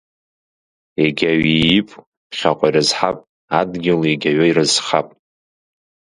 Егьаҩ иип, ԥхьаҟа ирызҳап, адгьыл егьаҩы ирызхап.